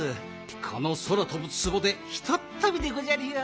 このそらとぶツボでひとっとびでごじゃるよ。